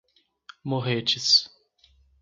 Morretes